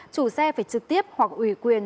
chủ xe phải trực tiếp hoặc ủy quyền